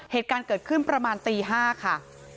เหตุการณ์เกิดขึ้นประมาณตี๕ค่ะ